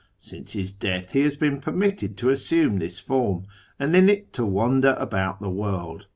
Since his death he has been permitted to assume this form, and in it to wander about the world.